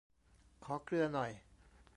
ขอเกลือหน่อย